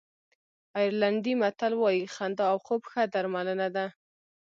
آیرلېنډي متل وایي خندا او خوب ښه درملنه ده.